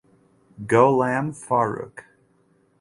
Golam Faruk.